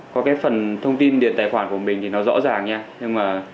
có cái phần thông tin điện tài khoản của mình thì nó rõ ràng nha nhưng mà